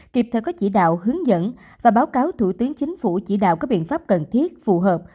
kịp thời có chỉ đạo hướng dẫn và báo cáo thủ tướng chính phủ chỉ đạo các biện pháp cần thiết phù hợp